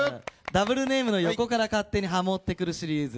ダブルネームの横から勝手にハモってくるシリーズ。